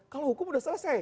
kalau hukum sudah selesai